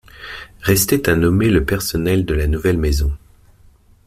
Restait à nommer le personnel de la nouvelle maison.